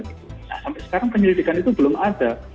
nah sampai sekarang penyelidikan itu belum ada